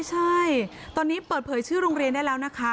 ใช่ตอนนี้เปิดเผยชื่อโรงเรียนได้แล้วนะคะ